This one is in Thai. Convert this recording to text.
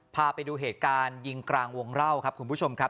พาไปดูเหตุการณ์ยิงกลางวงเล่าครับคุณผู้ชมครับ